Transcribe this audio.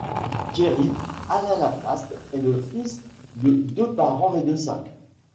Thierry, Alain Lataste est le fils de deux parents médecins.